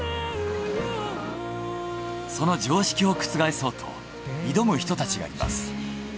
その常識を覆そうと挑む人たちがいます。